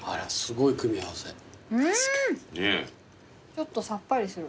ちょっとさっぱりする。